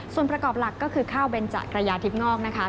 ส่วนประกอบหลักก็คือข้าวเบนจักรยาทิพย์งอกนะคะ